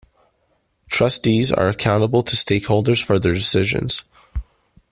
Trustees are accountable to stakeholders for their decisions.